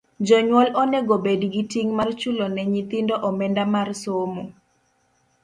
jonyuol onego bed gi ting' mar chulo ne nyithindo omenda mar somo.